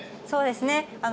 そうですね。